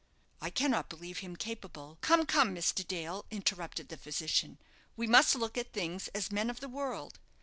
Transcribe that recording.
"I cannot believe him capable " "Come, come, Mr. Dale," interrupted the physician. "We must look at things as men of the world.